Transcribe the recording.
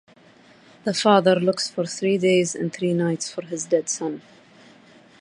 The father looks for three days and three nights for his dead son.